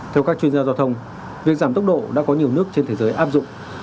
theo các chuyên gia giao thông việc giảm tốc độ đã có nhiều nước trên thế giới áp dụng